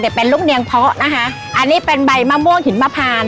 แต่เป็นลูกเนียงเพาะนะคะอันนี้เป็นใบมะม่วงหินมะพาน